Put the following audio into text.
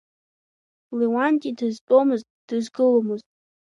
Леуанти дызтәомызт, дызгыломызт.